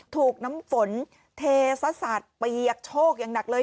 ถูกน้ำฝนเทซะสาดเปียกโชคอย่างหนักเลย